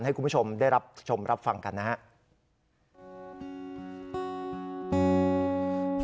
ให้คุณผู้ชมได้รับชมรับฟังกันนะครับ